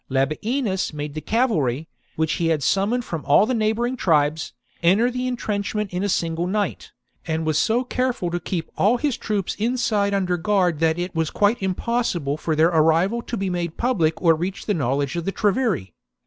Labienus made the cavalry, which he had summoned from all the neighbouring tribes, enter the entrenchment in a single night, and was so careful to keep all his troops inside under guard that it was quite, impossible for their arrival to be made public or reach the knowledge of the Treveri.